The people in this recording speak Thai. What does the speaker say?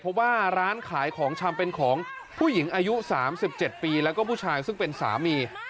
เพราะว่าร้านขายของชำเป็นของผู้หญิงอายุ๓๗ปีแล้วก็ผู้ชายซึ่งเป็นสามี